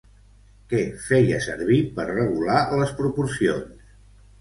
Què feia servir per regular les proporcions?